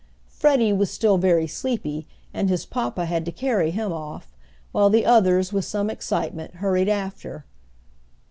Freddie was still very sleepy and his papa had to carry him off, while the others, with some excitement, hurried after.